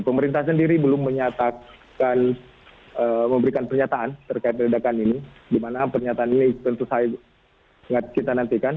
pemerintah sendiri belum menyatakan memberikan pernyataan terkait ledakan ini di mana pernyataan ini tentu saja kita nantikan